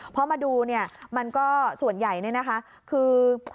เพราะมาดูมันก็ส่วนใหญ่คือ